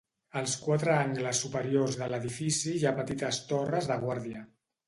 Als quatre angles superiors de l'edifici hi ha petites torres de guàrdia.